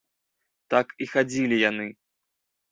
Так і хадзілі яны.